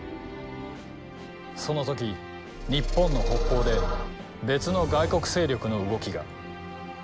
その時日本の北方で別の外国勢力の動きが。